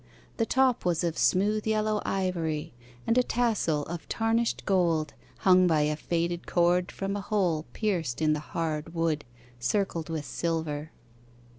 The top was of smooth, yellow ivory, And a tassel of tarnished gold Hung by a faded cord from a hole Pierced in the hard wood, Circled with silver.